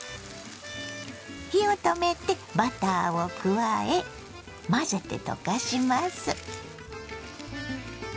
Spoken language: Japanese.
火を止めてバターを加え混ぜて溶かします。